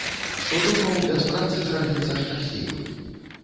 Што думаў без працы зрабіцца шчаслівы.